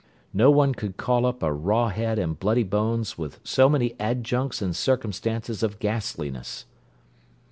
No one could call up a raw head and bloody bones with so many adjuncts and circumstances of ghastliness.